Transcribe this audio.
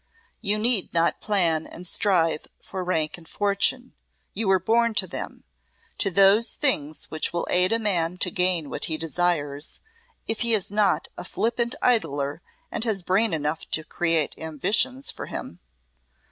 "You need not plan and strive for rank and fortune. You were born to them to those things which will aid a man to gain what he desires, if he is not a flippant idler and has brain enough to create ambitions for him.